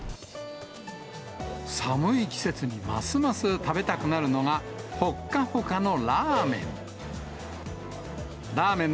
寒い季節にますます食べたくなるのが、ほっかほかのラーメン。